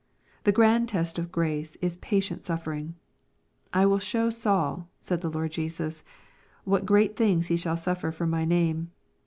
The grand test of grace is patient suffering. " I will show Saul,'' said the Lord Jesus, " what great things he shall suffer for my name."